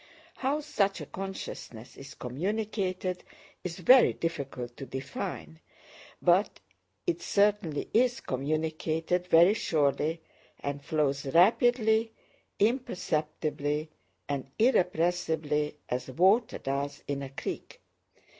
How such a consciousness is communicated is very difficult to define, but it certainly is communicated very surely, and flows rapidly, imperceptibly, and irrepressibly, as water does in a creek.